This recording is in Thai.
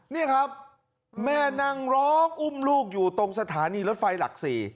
นี่ครับแม่นั่งร้องอุ้มลูกอยู่ตรงสถานีรถไฟหลัก๔